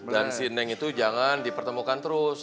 dan si eneng itu jangan dipertemukan terus